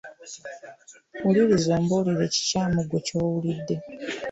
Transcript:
Wuliriza ombuulire ekikyamu ggwe ky'owulidde.